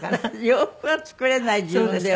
私洋服は作れない自分では。